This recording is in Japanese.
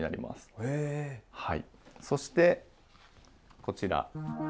そしてこちら。